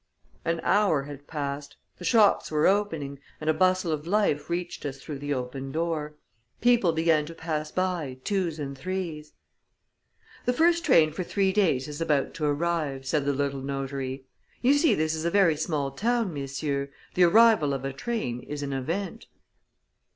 An hour had passed; the shops were opening, and a bustle of life reached us through the open door. People began to pass by twos and threes. "The first train for three days is about to arrive," said the little notary. "You see, this is a very small town, messieurs. The arrival of a train is an event."